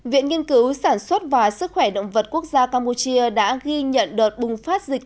viện nghiên cứu sản xuất và sức khỏe động vật quốc gia campuchia đã ghi nhận đợt bùng phát dịch